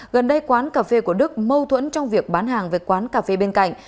gần đây quán cà phê của đức mâu thuẫn trong việc bán hàng về quán cà phê bên cạnh